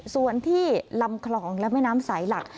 ส่วนที่ลำคลองและแม่น้ำสายหลัก